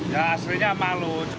ya aslinya malu